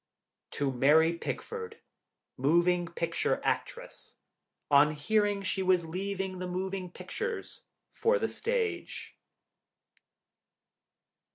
To Mary Pickford Moving picture Actress (On hearing she was leaving the moving pictures for the stage.)